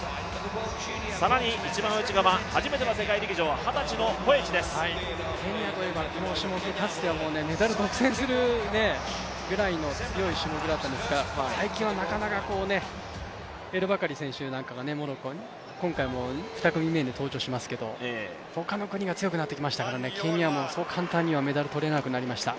更に一番内側初めての世界陸上ケニアといえばこの種目、メダル独占するぐらいの強い種目だったんですが最近はなかなか、エルバカリ選手、２組目に登場しますけど他の国が強くなってきましたからケニアもそう簡単にはメダルを取れなくなってきました。